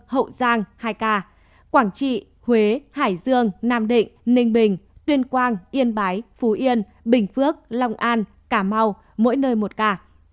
hậu giang hai ca quảng trị huế hải dương nam định ninh bình tuyên quang yên bái phú yên bình phước long an cà mau mỗi nơi một ca